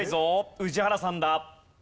宇治原さんだ。